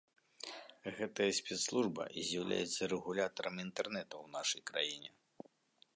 Гэтая спецслужба з'яўляецца рэгулятарам інтэрнэту ў нашай краіне.